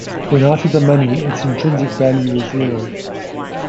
When out-of-the-money, its intrinsic value is "zero".